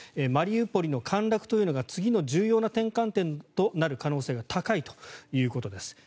マリウポリの陥落というのが次の重要な転換点となる可能性が高いということです。